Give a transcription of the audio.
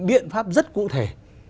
biện pháp rất cụ thể